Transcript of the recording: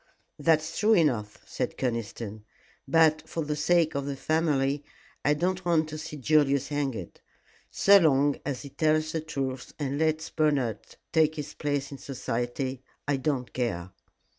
"That's true enough," said Conniston; "but for the sake of the family, I don't want to see Julius hanged. So long as he tells the truth and lets Bernard take his place in society I don't care."